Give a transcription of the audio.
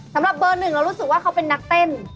สำหรับเบอร์หนึ่งเรารู้สึกว่าเขาเป็นนักเต้น